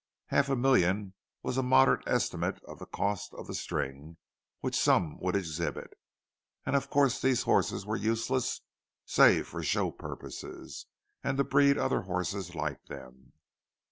Half a million was a moderate estimate of the cost of the "string" which some would exhibit. And of course these horses were useless, save for show purposes, and to breed other horses like them.